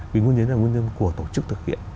vì nguyên nhân là nguyên nhân của tổ chức thực hiện